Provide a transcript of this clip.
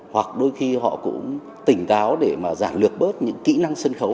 hoặc đôi khi họ cũng tỉnh táo để mà giản lược bớt những kỹ năng sân khấu